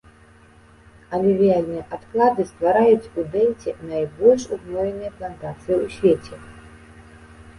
Алювіяльныя адклады ствараюць у дэльце найбольш угноеныя плантацыі ў свеце.